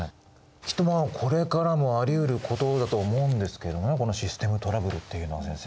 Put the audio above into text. きっとこれからもありうることだとは思うんですけどこのシステムトラブルっていうのは先生。